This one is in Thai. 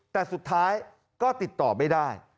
แต่สุดท้ายก็ติดต่อไม่ได้